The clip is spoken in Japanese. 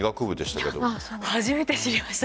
初めて知りました。